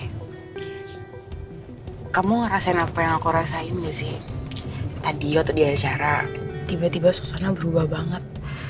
eh kamu ngerasain apa yang aku rasain gak sih tadi waktu di acara tiba tiba suasana berubah banget